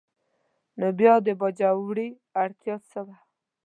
نو بیا د باجوړي اړتیا څه وه؟